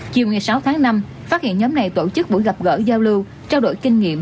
chiều ngày sáu tháng năm phát hiện nhóm này tổ chức buổi gặp gỡ giao lưu trao đổi kinh nghiệm